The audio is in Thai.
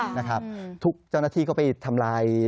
นะครับทุกเจ้าหน้าที่ก็ไปทำลาย